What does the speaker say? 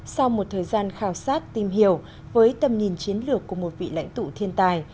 sau một thời gian khảo sát tìm hiểu với tầm nhìn chiến lược của một vị lãnh tụ thiên tài